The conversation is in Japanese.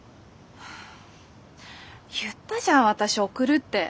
言ったじゃん私送るって。